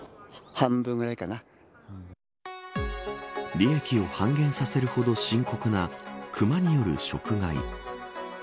利益を半減させるほど深刻な熊による食害。